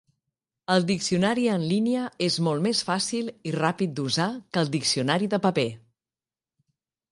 El diccionari en línia és molt més fàcil i ràpid d'usar que el diccionari de paper.